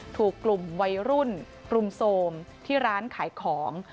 ถูกกลุ่มวัยรุ่นกลุ่มโทรมที่ร้านขายของ